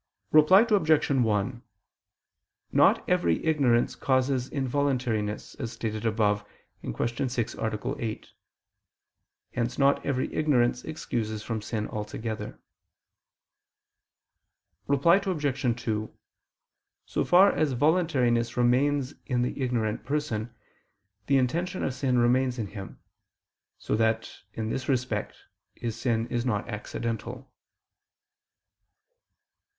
Reply Obj. 1: Not every ignorance causes involuntariness, as stated above (Q. 6, A. 8). Hence not every ignorance excuses from sin altogether. Reply Obj. 2: So far as voluntariness remains in the ignorant person, the intention of sin remains in him: so that, in this respect, his sin is not accidental.